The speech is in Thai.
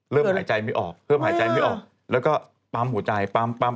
หายใจไม่ออกเริ่มหายใจไม่ออกแล้วก็ปั๊มหัวใจปั๊มปั๊ม